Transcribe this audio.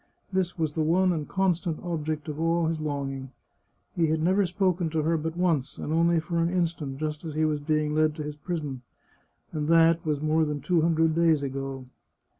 This was the one and constant object of all his longing. He had never spoken to her but once, and only for an instant, just as he was being led to his prison. And that was more than two hundred days ago.